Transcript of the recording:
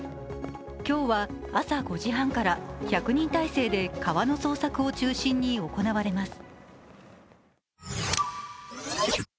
今日は朝５時半から１００人態勢で川の捜索を中心に行われます。